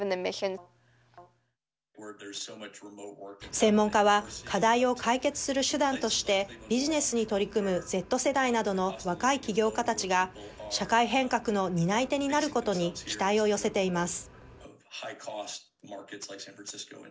専門家は課題を解決する手段としてビジネスに取り組むＺ世代などの若い起業家たちが社会変革の担い手になることに期待を寄せています。